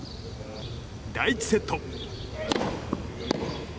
第１セット。